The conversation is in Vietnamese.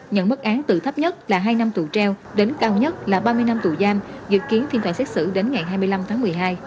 nhận mức án từ thấp nhất là hai năm tù treo đến cao nhất là ba mươi năm tù giam dự kiến phiên tòa xét xử đến ngày hai mươi năm tháng một mươi hai